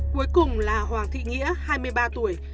cuối cùng là hoàng thị nghĩa hai mươi ba tuổi